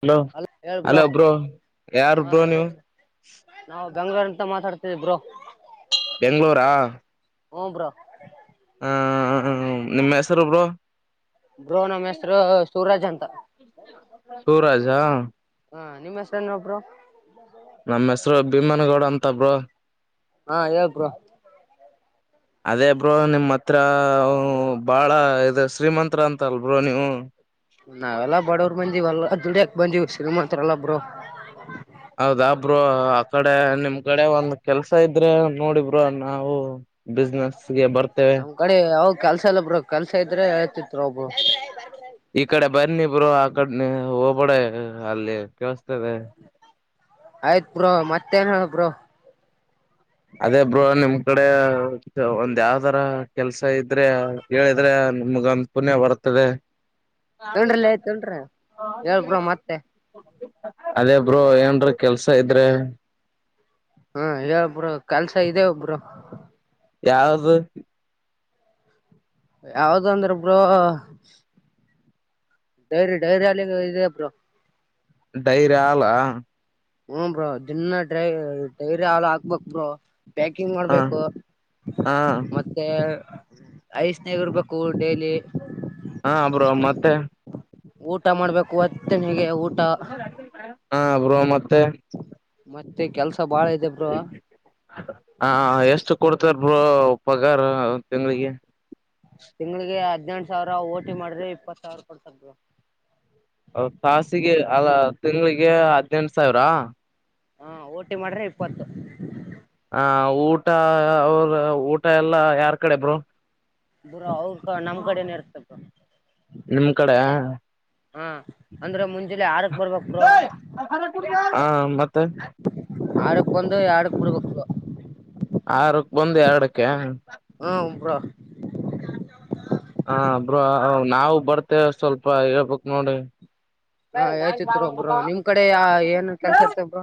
Hello ಅಲ್ಲ ಹೇಳ್ -hello bro ಯಾರು ಬ್ರೋ ನೀವು, - ಗಂಗರ್ ಅಂತ ಮಾತಾಡ್ತಿದ್ರು ಬ್ರೋ ಬೆಂಗ್ಳೂರಾ ಹೂ ಬ್ರೋ ಆ ನಿಮ್ಮ ಹೆಸರು ಬ್ರೋ ಬ್ರೋ ನಮ್ಮ್ ಹೆಸರು ಸೂರಾಜ್ ಅಂತಾ ಸೂರಾಜ ನಿಮ್ ಹೆಸರೇನು ಬ್ರೋ ನಮ್ಮ್ ಹೆಸರು ಭೀಮನಗೌಡ ಅಂತ [unintelligible] ಆ ಹೇಳಿ ಬ್ರೋ ಅದೇ ಬ್ರೋ ನಿಮ್ಮ್ ಹತ್ರ ಬಾಳ ಇದು ಶ್ರೀಮಂತ್ರ ಅಂತಲ್ ಬ್ರೋ ನೀವು ನಾವೆಲ್ಲ ಬಡವ್ರು ಬಂದಿವಲ್ಲ ದುಡಿಯೋಕೆ ಬಂದೀ ಶ್ರೀಮಂತ್ರು ಹೌದ ಬ್ರೋ ಕಡೆ ನಿಮ್ ಕಡೆ ಒಂದ್ ಕೆಲ್ಸ ಇದ್ರೆ ನೋಡಿ ಬ್ರೋ ನಾವು ಬಿಸಿನೆಸ್ ನಮ್ ಕಡೆ ಯಾವಾಗ ಕೆಲಸ ಇಲ್ಲ ಬ್ರೋ ಕೆಲಸ ಇದ್ರೆ ಹೇಳ್ತಿನಿ ತಗೋ ಬ್ರೋ ಈ ಕಡೆ ಬನ್ನಿ ಬ್ರೋ ಆ ಕಡೆ [unintelligible] ಅಲ್ಲಿ ಕೇಳಸ್ತದೆ ಆಯ್ತ್ ಬ್ರೋ ಮತ್ತೆ ಏನ್ ಹೇಳ ಬ್ರೊ ಅದೇ ಬ್ರೋ ನಿಮ್ ಕಡೆ ಒಂದ್ ಯಾವದರ ಕೆಲ್ಸ ಇದ್ರೆ ಹೇಳಿದ್ರೆ ನಿಮಗ ಒಂದು ಪುಣ್ಯ ಬರ್ತದೆ ತೊಂಡ್ರಲ್ಲ ತೊಂಡ್ರಿ ಹೇಳ್ ಬ್ರೋ [unintelligible] ಮತ್ತೆ ಅದೇ ಬ್ರೋ ಏನಾದರೂ ಕೆಲಸ ಇದ್ರೆ ಹಾ ಹೇಳ್ ಬ್ರೋ ಕೆಲಸ ಇದೆ ಬ್ರೋ ಯಾವುದು ಯಾವದು ಅಂದ್ರೆ ಬ್ರೋ ಡೈರಿ ಡೈರಿ ಅಲ್ಲಿ ಇದೆ ಬ್ರೋ ಡೈರಿ ಹಾಲ್ ಹಾ ಹ್ಮ್ ಬ್ರೋ ದಿನ ಡೈರಿ ಡೈರಿ ಹಾಲು ಹಾಕಬೇಕು ಬ್ರೋ ಪ್ಯಾಕಿಂಗ್ ಹ ಮಾಡ್ಬೇಕು ಹ ಮತ್ತೆ ಐಸ್ [unintelligible] ಡೈಲಿ ಹ ಬ್ರೋ ಮತ್ತೆ ಊಟ ಮಾಡ್ಬೇಕು ನಿನಗೆ ಊಟ ಹಾ ಬ್ರೋ ಮತ್ತ [unintelligible] ಮತ್ತೆ ಕೆಲ್ಸ ಬಾಳ ಇದೆ ಬ್ರೋ ಹಾ ಹಾ ಎಷ್ಟು ಕೊಡ್ ಬ್ರೋ ಪಾಗರ ತಿಂಗಳಿಗೆ ತಿಂಗ್ಲಿಗೆ ಹದ್ನೆಂಟ್ ಸಾವಿರ ಓಟಿ ಮಾಡಿದ್ರೆ ಇಪ್ಪತ್ತು ಸಾವಿರ ಕೊಡ್ತರ್ ಬ್ರೋ ತಸಿಗೆ ಅಲ್ಲ ತಿಂಗ್ಳಿಗೆ ಹದ್ನೆಂಟು ಸಾವಿರ ಹಾ ಓಟಿ ಮಾಡ್ರೆ ಇಪ್ಪತ್ತು ಹ ಊಟ ಅವರು ಊಟ ಎಲ್ಲಾ ಯಾರ್ ಕಡೆ ಬ್ರೋ ಬ್ರೋ ಅವ್ರ ಕ ನಮ್ ಕಡೆನ ಇರುತ್ತ ಬ್ರೋ ನಿಮ್ ಕಡೆ ಹಾ ಅಂದ್ರೆ ಮುಂಜ್ ಹ ಮತ್ [unintelligible] ಆರಕ್ ಬಂದು ಎರಡಕ್ ಬಿಡ್ಬೇಕ್ ಬ್ರೋ ಆರಕ್ ಬಂದು ಎಡುಕ್ಕೆ ಹೂ ಬ್ರೋ ಹ ಬ್ರೋ ನಾವು ಬರ್ತೆೇವೆ ಸ್ವಲ್ಪ ಹೇಳ್ಬೇಕ್ ನೋಡಿ ಹಾ ಹೇಳ್ತೀವ ತಗೋ ಬ್ರೋ ನಿಮ್ ಕಡೆಯ ಏನ್ ಕೆಲ್ಸ ಇರ್ತ ಬ್ರೋ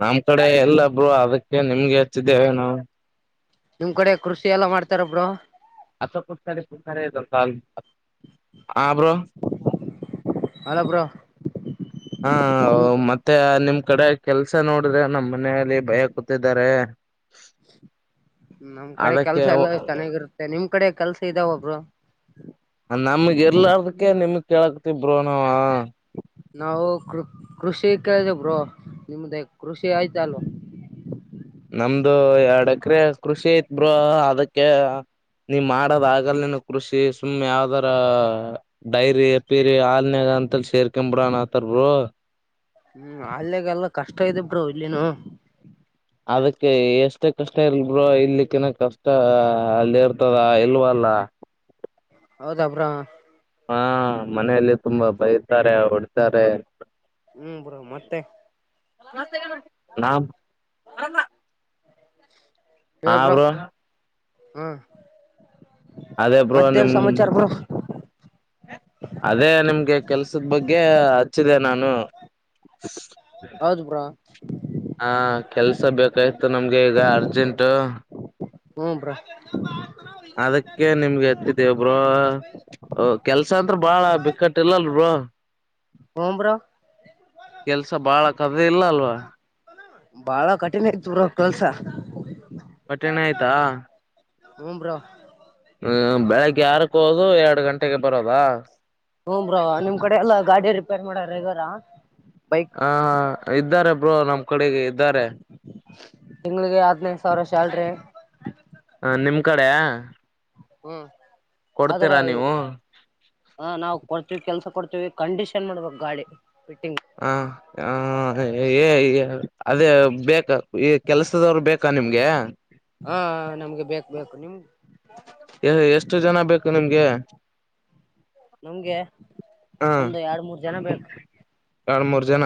ನಮ್ ಕಡೆ ಇಲ್ಲಾ ಬ್ರೋ ಅದಕ್ಕೆ ನಿಮ್ಗೆ ಹೆಚ್ಚಿದ್ದೇವೆ ನಾವು ನಿಮ್ ಕಡೆ ಕೃಷಿ ಎಲ್ಲಾ ಮಾಡ್ತಾರಾ ಬ್ರೋ ಅಕ ಪಕ [unintelligible] ಹಾ ಬ್ರೋ ಅಲ್ಲ ಬ್ರೋ ಹಾ ವೋ ನಿಮ್ ಮತ್ತೆ ನಿಮ್ ಕಡೆ ಕೆಲ್ಸ ನೋಡಿದ್ರೆ ನಮ್ಮ ಮನೆಯಲ್ಲಿ ಭಯ ಕೂತಿದ್ದಾರೆ ನಮ್ ಕಡೆ ಅದಕ್ಕೆ ಕೆಲ್ಸ ಎಲ್ಲ ಚೆನ್ನಾಗಿರುತ್ತೆ ನಿಮ್ ಕಡೆ ಕೆಲ್ಸ ಇದಾವ ಬ್ರೋ? ಮಂತ್ ನಮಗ್ ಇರ್ಲಾರದಕ ನಿಮಗ್ ಕೆಲಕತ್ತಿನಿ ಬ್ರೂನಾವಾ ನಾವು ಕೃ ಕೃಷಿ ಕರೆ ಬ್ರೋ ನಿಮ್ದ ಕೃಷಿ ಆಯ್ತ ಅಲ್ವ ನಮ್ದು ಎರಡ್ ಎಕರೆ ಕೃಷಿ ಐತ್ ಬ್ರೋ ಅದಕ್ಕೆ ನೀ ಮಾಡದ ಆಗಲ ಕೃಷಿ ಸುಮ್ ಯಾವದಾರ ಡೈರಿ ಪೀರಿ ಹಾಲ್ನಾಗ್ ಹಂತಲ್ಲಿ ಸೇರ್ಕೊಂಡು ಬಿಡು ಅನಾತಾರ್ ಬ್ರೋ ಹೂ ಹಾಲ್ ನಾಗೆಲ್ಲ ಕಷ್ಟ ಇದೆ ಬ್ರೋ ಇಲ್ಲಿನು ಅದಕ್ಕೆ ಎಷ್ಟೇ ಕಷ್ಟ ಇರ್ಲಿ ಬ್ರೋ ಇಲ್ಲಿಕ್ಕಿನ ಕಷ್ಟ ಅಲ್ಲಿ ಇರ್ತದ ಇಲ್ವ ಅಲ್ಲ ಹೌದಾ ಬ್ರೋ ಹಾ ಮನೆಯಲ್ಲಿ ತುಂಬಾ ಬೈತಾರೆ ಹೊಡೀತಾರೆ ಹ್ಮ್ ಬ್ರೋ ಮತ್ತೆ [unintelligible] ಆ ಬ್ರೋ ಹೂ ಅದೇ ಬ್ರೋ ನಿಮ್ ಅದೇ ನಿಮ್ಗೆ ಕೆಲ್ಸದ ಬಗ್ಗೆ ಹಚ್ಚಿದೆೆ ನಾನು ಹೌದ್ ಬ್ರೋ ಹಾ ಕೆಲ್ಸ ಬೇಕಾಯ್ತು ನಮ್ಗೆ ಈಗ ಅರ್ಜೆಂಟ ಹೂ ಬ್ರೋ ಅದಕ್ಕೆ ನಿಮ್ಗೆ ಎತ್ತಿದೇ ಬ್ರೋ ಕೆಲ್ಸ ಅಂತ್ರು ಬಾಳ ಬಿಕ್ಕಟ್ಟಿಲ್ಲಲ್ ಬ್ರೋ ಹ್ಮ ಬ್ರೋ ಕೆಲ್ಸ ಬಾಳ ಕದೆ ಇಲ್ಲ ಅಲ್ವಾ ಬಾಳ ಕಠಿಣ ಇತ್ತು ಊರಲ್ಲಿ ಕೆಲ್ಸ ಕಠಿಣ ಆಯ್ತಾ ಹು ಬ್ರೋ ಹ್ಮ ಬೆಳಿಗ್ಗೆ ಆರಕ್ಕೆ ಹೋಗೋದು ಎರಡು ಗಂಟೆಗೆ ಬರೋದ ಹು ಬ್ರೋ ನಿಮ್ ಕಡೆ ಎಲ್ಲ ಗಾಡಿ ರಿಪೇರ್ ಮಾಡೋರು ಇದ್ದಾರಾ ಬೈಕ್ ಹ ಇದ್ದಾರೆ ಬ್ರೋ ನಮ್ಮ ಕಡೆಗೆ ಇದ್ದಾರೆ ತಿಂಗ್ಳಿಗೆ ಹದ್ನೈದು ಸಾವಿರ ಸ್ಯಾಲರಿ ಹ ನಿಮ್ ಕಡೆ ಹು ಆದ್ರ ಕೊಡ್ತೀರಾ ನೀವು ಹ ನಾವವು ಕೊಡ್ತೀವಿ ಕೆಲ್ಸ ಕೊಡ್ತೀವಿ ಕಂಡೀಷನ್ ಮಾಡ್ಬೇಕ ಗಾಡಿ ಫಿಟ್ಟಿಂಗ್ ಹಾ ಹ ಹೇ ಹೇ ಅದೇ ಬೇಕ ಈ ಕೆಲ್ಸದವ್ರು ಬೇಕಾ ನಿಮ್ಗೆ ನಿಮಗೆ ಹಾ ನಮ್ಗೆ ಬೇಕ ಬೇಕು ನಿಮ್ ಎಷ್ಟು ಜನ ಬೇಕು ನಿಮ್ಗೆ [unintelligible] ನಮ್ಗೆ ಒಂದು ಎರಡ್ ಮೂರ್ ಜನ ಬೇಕು ಎರಡು ಮೂರ್ ಜನ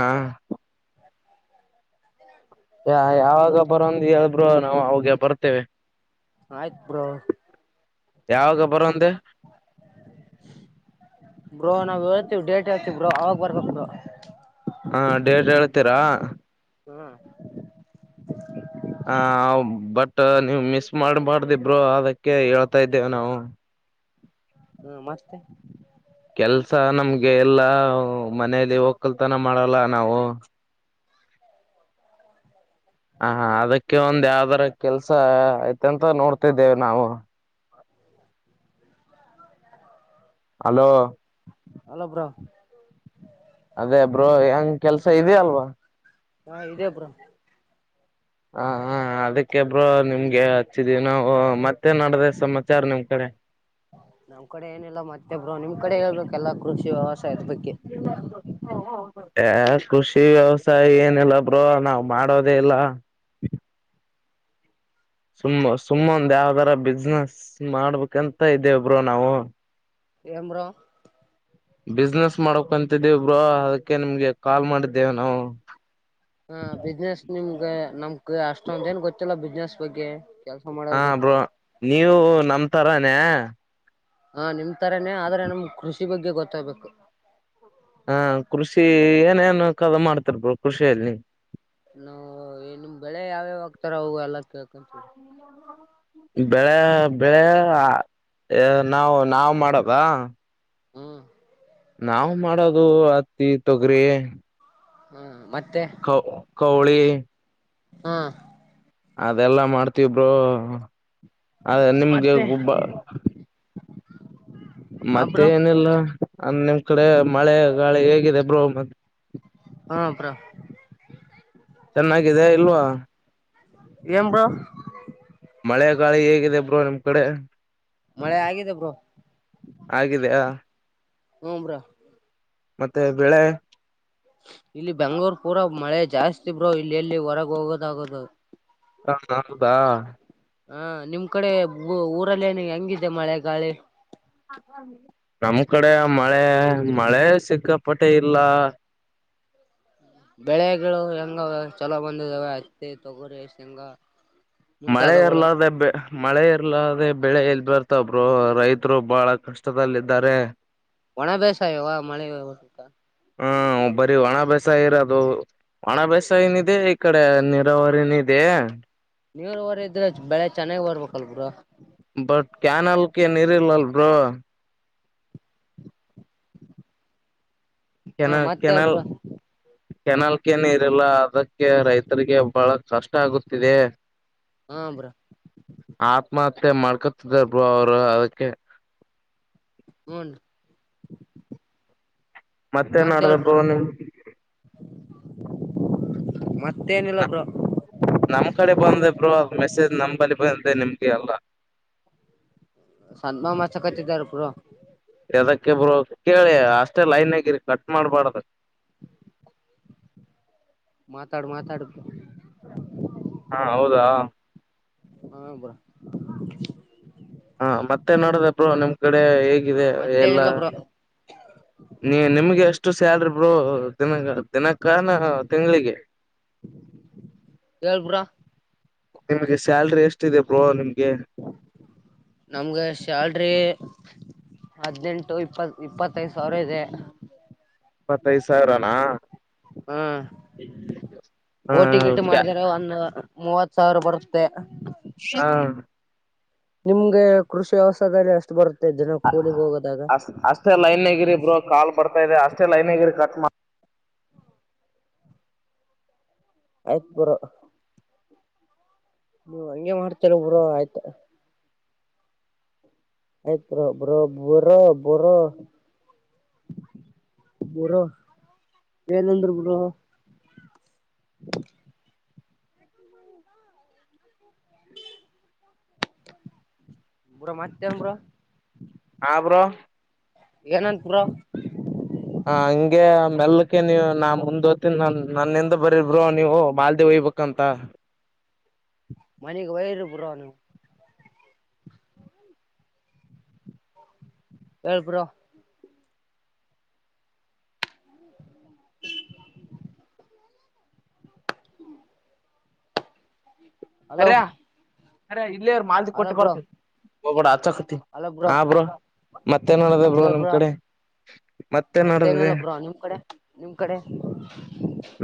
ಯ ಯಾವಾಗ ಬರಂದು ಹೇಳಿ ಬ್ರೋ ನಾವು ಅವಾಗ ಬರ್ತೇವೆ ಆಯ್ತ್ ಬ್ರೋ ಯಾವಾಗ ಬರಂದೆ ಬ್ರೋ ನಾವ್ ಹೇಳ್ತೀವಿ ಡೇಟ್ ಹೇಳ್ತಿವಿ ಅವಾಗ ಬರ್ಬೇಕು ಬ್ರೋ ಹಾ ಡೇಡ್ ಹೇಳಿ ತೀರ ಹ್ಮ ಹ ಬಟ್ ನೀವು ಮಿಸ್ ಮಾಡಬರ್ದು ಬ್ರೋ ಅದಕ್ಕೆ ಹೇಳ್ತಾ ಇದ್ದೇವೆ ನಾವು ಹ್ಮ ಮತ್ತೆ ಕೆಲ್ಸ ನಮ್ಗೆ ಎಲ್ಲಾ ಮನೇಲಿ ಹೋಗ್ಲ್ತ ನಮ್ಮ ಮಾಡಲ್ಲ ನಾವು ಹ ಅದಕ್ಕೆ ಒಂದ್ ಯಾವ್ದರ ಕೆಲ್ಸ ಆಯ್ತಂತ ನೋಡ್ತಿದ್ದೇವೆ ನಾವು ಹಲೋ ಹಲ್ಲೋ ಬ್ರೋ ಅದೇ ಬ್ರೋ ಹೆಂಗ ಕೆಲ್ಸ ಇದೆಯ ಅಲ್ವಾ ಹಾ ಇದೇ ಬ್ರೋ ಹ ಹಾ ಅದಕ್ಕೆ ಬ್ರೋ ನಿಮ್ಗೆ ಹೇಳ್ತಿದೀವಿ ನಾವು ಮತ್ತೆ ನಡದೆ ಸಮಾಚಾರ ನಿಮ್ ಕಡೆ ನಮ್ ಕಡೆ ಏನಿಲ್ಲ ಸದ್ ಬಗ್ಗೆ ಕೃಷಿ ವ್ಯವಸಾಯ ಏನಿಲ್ಲ ಬ್ರೋ ನಾವ್ ಮಾಡೋದೇ ಇಲ್ಲ ಸುಮ್ಮ ಸುಮ್ಮೊಂದ ಯಾವ್ದರ ಬಿಸ್ನೆಸ್ ಮಾಡ್ಬೇಕಂತ ಇದೇಬರು ನಾವು ಏನ್ ಬ್ರೋ ಮಾಡಕಂತಿದ್ದೇವಿ ಇಬ್ರೋ ಅದಕ್ಕೆ ನಿಮ್ಗೆ ಕಾಲ್ ಮಾಡಿದ್ದೇವೆ ನಾವು ಹ ಬಿಸ್ನೆಸ್ ನಿಮ್ಗೆ ನಮ್ಕ್ ಅಷ್ಟೊಂದ ಏನ್ ಗೊತ್ತಿಲ್ಲ ಬಿಸ್ನೆಸ್ ಬಗ್ಗೆ ಕೆಲ್ಸ ಹ ಮಾಡೋದು ಬ್ರೋ ಗೊತ್ತು ನೀವು ನಮತರ [unintelligible] ಹಾ ನಿಮ ತರನನೆ ಆದ್ರೆ ನಮ್ ಕೃಷಿ ಬಗ್ಗೆ ಗೊತ್ತಾಗ್ಬೇಕು ಹಾ ಕೃಷಿ ಏನೇನ್ ಕ ಮಾಡ್ತಿರ್ಬರು ಕೃಷಿಯಲ್ಲಿ ನಾವು ನಿಮ್ ಬೆಳೆ ಯಾವ್ಯಾವ ಆಗ್ತೀರಾ ಹವು ಎಲ್ಲ ಕೇಳ್ಕಂತಿ ಬೆಳೆ ಬೆಳೆ ನಾವು ನಾವು ಮಾಡೋದಾ ಹ್ಮ್ ನಾವವು್ ಮಾಡೋದು ಹತ್ತಿ ತೊಗರಿ ಹ್ಮ್ ಮತ್ತೆ ಕ ಕವಳಿ ಹ್ಮ ಅದೆಲ್ಲಾ ಮಾಡ್ತೀ ಬ್ರೋ ಅದೇ ನಿಮ್ಗೆ ಮತ್ತೆ ಒಬ್ಬ ಹ ಮತ್ತೆ ಬ್ರೋ ಏನೆಲ್ಲ ಅ ನಿಮ್ ಕಡೆ ಮಳೆ ಗಾಳಿ ಹೇಗಿದೆ ಬ್ರೋ ಮೆ ಹಾ ಪ್ರರ ಚೆನ್ನಾಗಿದೆ ಇಲ್ವಾ ಏನ್ ಬ್ರೋ ಮಳೆ ಗಾಳಿ ಹೇಗಿದೆ ಬ್ರೋ ನಿಮ್ ಕಡೆ ಮಳೆ ಆಗಿದೆ ಬ್ರೋ ಆಗಿದೆಯಾ ಹ್ಮ್ ಬ್ರೋ ಮತ್ತೆ ಬೆಳೆ ಇಲ್ಲಿ ಬೆಂಗ್ಳೂರ್ ಪೂರಾ ಮಳೆ ಜಾಸ್ತಿ ಬ್ರೋ ಇಲ್ಲಿ ಎಲ್ಲಿ ಹೊರಗೆ ಹೋಗೋದಾಗೋದು [unintelligible] ಹಾ ನಿಮ್ ಕಡೆ ಊರಲ್ಲ ಏನು ಹೆಂಗಿದೆ ಮಳೆ ಗಾಳಿ ನಮ ಕಡೆ ಮಳೆ ಮಳೆ ಸಿಕ್ಕಾಪಟ್ಟೆ ಇಲ್ಲ ಬೆಳೆಗಳು ಹೆಂಗ ಚಲೋ ಬಂದಿದಾವ ಹತ್ತಿ ತೊಗರಿ ಎಷ್ಟ್ ಹೆಂಗ ಮಳೆ ಇರ್ಲದೆ ಬೇ ಮಳೆ ಇರ್ಲ ದೇ ಬೆಳೆ ಎಲ್ ಬರ್ತ ಬ್ರೋ ರೈತರು ಬಾಳ ಕಷ್ಟದಲ್ಲ ಇದಾರೆ ಒಣ ಬೇಸಾಯವಾ ಮಳೆ ಹಾ ಒಬರಿ ಒಣ ಬೇಸ ಇರೋದು ಒಣ ಬಸ ಏನಿದೆ ಈ ಕಡೆ ನೀರಾವರಿನದೆ ನೀವರು ಹೊರ ಇದ್ರೆ ಬೆಳೆ ಚೆನ್ನಾಗ್ ಬರ್ಬೇಕಲ್ಗುರ ಬಟ್ ಕ್ಯಾನಲ್ಗೆ ನೀರಿ ಇಲ್ಲಲ್ ಬ್ರೋ [unintelligible] ಹಾ ಮತ್ತೆ ಕೂಡ ಕೆನಾಲ್ಕ ಏನು ಇರಲ್ಲ ಅದಕ್ಕೆ ರೈತರಿಗೆ ಬಹಳ ಕಷ್ಟ ಆಗುತ್ತಿದೆ ಹಾ ಬ್ರೋ ಮತ್ತೆ ಮಾಡ್ಕೊತಿದರು ಅವರು ಅದಕ್ಕೆ ಹುನ್ ರೀ ಮತ್ತೆೇನ್ ಮಾಡಡ್ದಬ ಬ್ರೋ ನೀವು ಮತ್ತೇನಿಲ್ಲ ಬ್ರೋ ನಮ್ ಕಡೆ ಬಂದೆಬರು ಮೆಸೇಜ್ ನಂಬಲ್ಲಿ ಅ ಅಂತೆ ನಿಮ್ಗೆ ಅಲ್ಲ ಸದ್ಮಾಮಸ ಕಟ್ಟಿದ್ದಿದ್ದಾರೆ ಬ್ರೋ ಅಕೆಬರು ಕೇಳಿ ಅಷ್ಟೇ ಲೈನ್ ಆಗಿರಿ ಕಟ್ ಮಾಡ್ಬಾರ್ದ ಮಾತಾಡು ಮಾತಾಡು ಹಾ ಹೌದಾ ಹಾ ಬ್ರೋ ಹಾ ಮತ್ತೆ ನೋಡದ ಬ್ರೋ ನಿಮ್ ಕಡೆ ಏಜ್ ಎಲ್ಲ ಮತ್ತೇನಿಲ್ಲ ಬ್ರೋ ನೀ ನಿಮಗೆಷ್ಟ ಎಷ್ಟು ಸ್ಯಾಲರಿ ಬ್ರೋ [unintelligible] ದಿನಕ ನಾ ತಿಂಗಳಿಗೆ ಹೇಳ್ ಬ್ರೋ ನಿಮ್ಗೆ ಸ್ಯಾಲ್ರಿ ಎಷ್ಟ ಇದೆ ಬ್ರೋ ನಿಮ ನಮ್ಗೆ ಶ್ಯಾಲ್ರಿ ಹದಿನೆಂಟು ಇಪ್ಪತ್ ಇಪ್ಪತ್ತೈದು ಸಾವಿರ ಇದೆ ಇಪ್ಪತ್ತೈದ್ ಸಾವಿರನಾ ಹಾ ಹ ಸಾರು ಬರುತ್ತೆ ಹಾ ನಿಮ್ಗೆ ಕೃಷಿ ವ್ಯವಸಾಯದಲ್ಲಿ ಅಷ್ಟು ಬರುತ್ತದೆ ಅ ಅಷ್ಟೇ ಲೈನ್ ಆಗಿರಿಬ್ರು ಕಾಲ್ ಬರ್ತ ಇದೆ ಅಷ್ಟೇ ಲೈನ್ಗೆ ಇರಿ ಕಟ್ ಮಾಡ ಆಯ್ತು ಬ್ರೋ ನೀ ಹಂಗೆ ಮಾಡ್ತಾರ ಬ್ರೋ ಆಯ್ತಾ ಆಯ್ತು ಬ್ರೋ ಬ್ರೋ ಬ್ರೋ ಬ್ರೋ ಎಲ್ಲಂದರು ಬ್ರೋ ಕೂಡ ಮತ್ತೆ ಏನ್ ಬ್ರೋ ಹಾ ಬ್ರೋ ಏನನ್ ಪುರ ಹ ಹಂಗೆ ಮೆಲ್ಕ್ಕೆ ನೀ ನಾ ಮುಂದ್ ಹೊತ ನ ನನ್ನಿಂದ ಬರೀ ಬ್ರೋ ನೀವು ಮಾಲ್ದೇವ್ ಹಯ್ಬೇಕಂತ ಮಣಕ್ ವೈರ್ ಬ್ರೋ ನೀವು ಹೇಳ್ ಬ್ರೋ ಹ್ಮ್ ಹಲೋ ಅರೆ ಇ ಮಾ ಕೊಟ್ಟ ಹಲೋ ಬ್ರೋ ಬರ್ತ ಒಬ ಆಚಕತಿ ಆ ಬ್ರೋ ಮತ್ತೇ ನಡ ಬ ಹೇಳ್ ನಿಮ್ ಬ್ರೋ ಕಡೆ ಮತ್ತೇ ನಡ ಮತ್ತೇನಿಲ್ಲ ಬ್ರೋ ನಿಮ್ ಕಡೆ ನಿಮ್ ಕಡೆ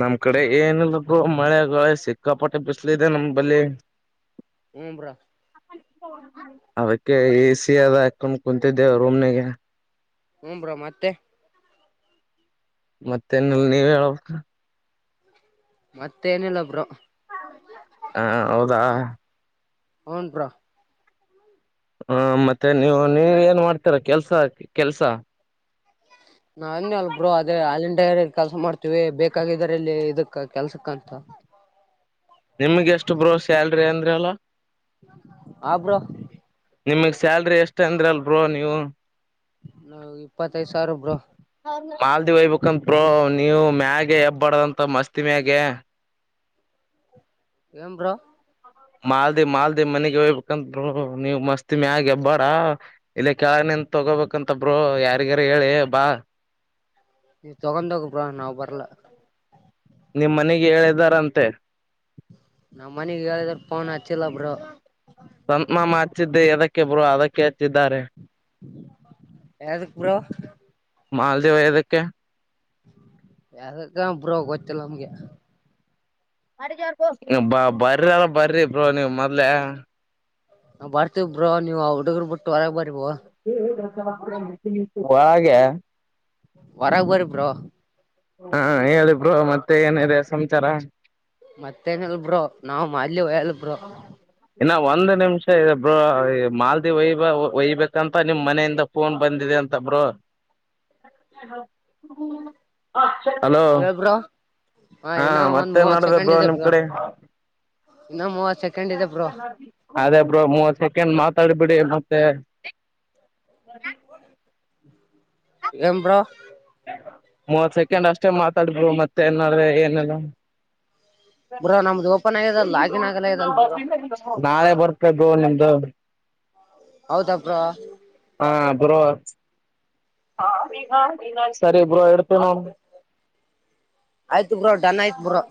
ನಮ್ ಕಡೆ ಏನ್ ಇಲ್ಲಕ್ಕು ಮಳೆ ಸಿಕ್ಕಾಪಟ್ಟೆ ಬಿಸ್ಲಿದೆ ನಮ್ದ ಬಲ್ಲಿ ಹ ಬ್ರಾ ಅದಕ್ಕೆ ಎಸಿ ಅದ ಹಾಕೊಂಡ ಕುಂತಿದ್ದೆ ರೂಮ್ನಿಗೆ ಹ್ರ ಬ್ರೋ ಮತ್ತೆ ಮತ್ತೆನಲ್ಲ ನೀವ್ ಹೇಳಬೇಕ ಮತ್ತೆ ಏನಿಲ್ಲ ಬ್ರು ಹಾ ಹೌದಾ ಹನ್ಪಾ ಬ್ರೋ ಹ ಮತ್ತೆ ನೀವು ನೀವ ಏನ್ ಮಾಡ್ತೀರ ಕೆಲ್ಸ ಕೆಲ್ಸ ನಾ ಅಲ್ಬರು ಅದೇ ಹಾಲ್ಲಿಡೆರೀ ಕೆಲಸ ಮಾಡ್ತಿ ಬೇಕಾಗಿದ್ದರಲ್ಲಿ ಇದಕ್ಕೆ ಕೆಲ್ಸಕ್ಕಂತ ನಿಮಗೆ ಎಷ್ಟು ಬ್ರೋ ಸ್ಯಾಲ್ರಿ ಅಂದ್ರ ಅಲ್ಲ ಹಾ ಬ್ರೋ ನಿಮಗ್ ಸ್ಯಾಲ್ರಿ ಎಷ್ಟ ಅಂದ್ರ ಅಲ್ ಬ್ರೋ ನೀವು ನಾವ ಇಪ್ಪತ್ತೈದು ಸಾವಿರ ಬ್ರು ಮಾಲ್ದಿ ಹಯ್ಬೇಕಂತೋ ಬ್ರೋ ನೀವು ಮ್ಯಾಗೆ ಹೆಬ್ಬಾರ್ದಂತ ಮಸ್ತಿ ಮ್ಯಾಗೆ ಏನ್ ಬ್ರೋ ಮಾಲ್ದಿ ಮಾಲ್ದಿ ಮನೆಗೆ ಹೋಗ್ಬೇಕಂದರು ಬ್ರೋ ನೀವ್ ಮಸ್ತಿ ಮಿ ಆಗ ಎಬ್ಬಾರ ಇಲ್ಲ ಕೆಳನಿಂದ ತಗೋಬೇಕಂತ ಬ್ರೋ ಯಾರಿಗಾರ ಹೇಳಿ ಬಾ ಈ ತೊಗೋಂಡ ಹೋಗ ಬ್ರೋ ನಾವು ಬರ್ಲ ನಿಮ್ ಮನೆಗೆ ಹೇಳಿದಾರಂತೆ ನಮ್ಮ ಮನೆಗೆ ಯ್ರೂ ಪಣ ಹಚ್ಚಿಲ್ಲ ಬ್ರೋ ಸಂತ ಮಾಮ ಹಚ್ಚಿದ್ದೆ ಅದಕ್ಕೆ ಬ್ರೋ ಅದಕ್ಕೆ ಹಚ್ಚಿದ್ದಾರೆ ಯದಕ್ಕೆ ಬ್ರೋ ಮಾಲ್ದೇವ ದಕ್ಕೆ ಯದಕ್ಕ ಬ್ರೋ ಗೊತ್ತಿಲ್ಲ ನಮಗೆ ಬ ಬರ್ರಲ್ಲ ಬರಿ ಬ್ರೋ ನೀವ ಮೊದ್ಲೆ ನಾ ಬರ್ತೀ ಬ್ರ ನೀವು ಅವರು ಹುಡುರ್ ಬಿಟ್ಟು ಹೊರಗೆ ಬರಿ ಬ್ರೋ ಒಳಗೆ ಹೊರಗ್ ಬರ್ ಬ್ರೋ ಹಾ ಹೇಳಿ ಬ್ರೋ ಮತ್ತೆ ಏನಿದೆ ಸಮಾಚಾರ ಮತ್ತೇನಲ್ಬ್ರೋ ನಾವ್ ಇಲ್ಲಿ ಒಲ್ಲಪರ ಇನ್ನ ಒಂದು ನಿಮಿಷ ಇ ಬ್ರೋ ಮಾಲ್ದಿ ಒಯ ಒಯ್ಬೇಕಂತ ನಿಮ್ಮ್ ಮನೆಯಿಂದ ಫೋನ್ ಬಂದಿದೆ ಅಂತ ಬ್ರೋ ಹಲೋ ಹೇಳ್ ಬ್ರೋ ಹಾ ಇನ್ನ ಒಂದ್ ಮತ್ತೇನ್ ಮೂವತ್ ಮಾಡಡುದ ಬ್ರೋ ನಿಮ್ ಕಡೆ ಇನ್ನು ಮೂವತ್ ಸೆಕೆಂಡ್ ಇದೆ ಬರು. ಅದೇ ಬ್ರೋ ಮೂವತ್ ಸೆಕೆಂಡ್ ಮಾತಾಡ್ಬಿಡಿ ಮತ್ತೆ. ಎ್ರ. ಮೂವತ್ ಸೆಕೆಂಡ್ ಅಷ್ಟೇ ಮತ್. ಕಡಬರು ಮತ್ತೆ ನಡೆ ಏನೆಲ್ಲ. ಬ್ರೋ ನಮ್ದು ಓಪನ್ ಆಗ್ಯದ ಲಾಗಿನ್ ಆಗಲ್ಲ ಇದಲ್ ಬ್ರೋ ನಾಳೆ ಬರ್ಬೇಕ್ದು ನಿಮ್ದು. ಹ. ಹೌದಾ ಬ್ರೋ ಹಾ. ಬೋ ಸರಿ ಬೋ ಎಡ್ತನ. ಆಯ್ತು. ಬೋ ಡನ್ ಆಯತ್ ಬ್ರೋ.